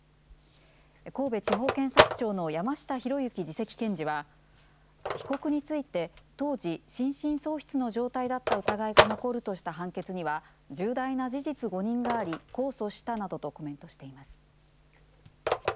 神戸地方検察庁の山下裕之次席検事は被告について当時心神喪失の状態だった疑いが残るとした判決には重大な事実誤認があり控訴したなどとコメントしています。